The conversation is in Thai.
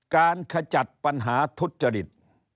การขจัดปัญหาทุจจริต